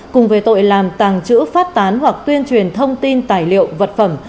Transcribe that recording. cùng về tội làm tàng trữ phát tán hoặc tuyên truyền thông tin tài liệu vật phẩm